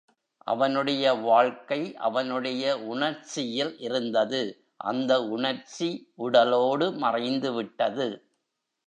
அவனுடைய வாழ்க்கை அவனுடைய உணர்ச்சியில் இருந்தது அந்த உணர்ச்சி உடலோடு மறைந்து விட்டது.